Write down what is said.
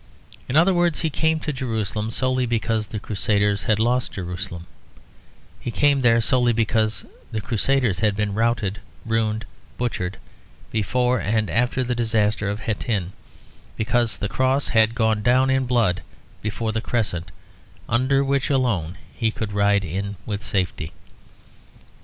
In other words, he came to Jerusalem solely because the Crusaders had lost Jerusalem; he came there solely because the Crusaders had been routed, ruined, butchered before and after the disaster of Hattin: because the Cross had gone down in blood before the Crescent, under which alone he could ride in with safety.